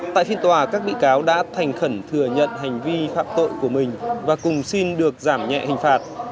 tại phiên tòa các bị cáo đã thành khẩn thừa nhận hành vi phạm tội của mình và cùng xin được giảm nhẹ hình phạt